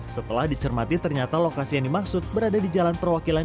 setelah dicermati ternyata lokasi yang dimaksud berada di jalan perwakilan